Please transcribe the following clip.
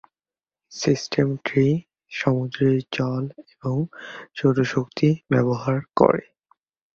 সিস্টেমটি সমুদ্রের জল এবং সৌর শক্তি ব্যবহার করে।